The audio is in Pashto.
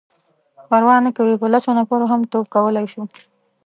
_پروا نه کوي،. په لسو نفرو هم توپ کولای شو.